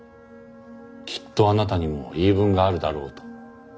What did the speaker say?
きっとあなたにも言い分があるだろうと。